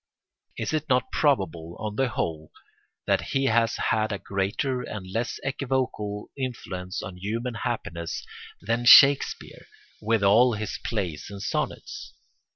Is it not probable, on the whole, that he has had a greater and less equivocal influence on human happiness than Shakespeare with all his plays and sonnets?